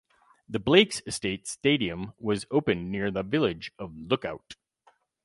The Blakes Estate Stadium was opened near the village of Look Out.